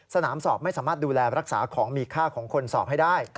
สนามสอบไม่สามารถดูแลรักษาของมีค่าของคนสอบให้ได้